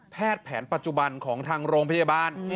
แผนปัจจุบันของทางโรงพยาบาล